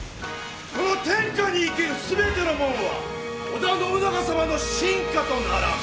この天下に生きる全てのもんは織田信長様の臣下とならん！